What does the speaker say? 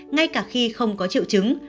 ngay cả khi không có triệu chứng